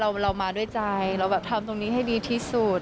เรามาด้วยใจเราแบบทำตรงนี้ให้ดีที่สุด